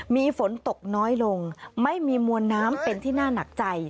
มีฝนตกน้อยลงไม่มีมวลน้ำเป็นที่น่าหนักใจ